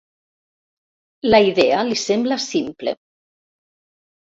La idea li sembla simple.